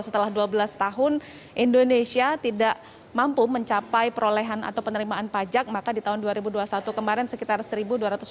setelah dua belas tahun indonesia tidak mampu mencapai perolehan atau penerimaan pajak maka di tahun dua ribu dua puluh satu kemarin sekitar satu dua ratus sembilan puluh